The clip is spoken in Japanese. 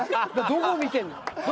どこ見てたの？